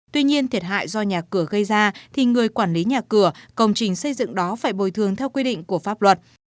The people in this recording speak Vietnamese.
tuy nhiên thiệt hại do nhà cửa gây ra thì người quản lý nhà cửa công trình xây dựng đó phải bồi thường theo quy định của pháp luật